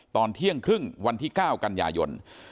ตอนเที่ยงครึ่งวันที่๙กันยายน